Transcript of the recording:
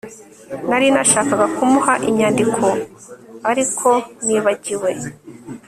nari nashakaga kumuha inyandiko, ariko nibagiwe